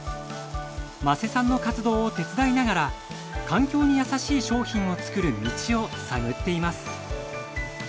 間瀬さんの活動を手伝いながら環境に優しい商品を作る道を探っています。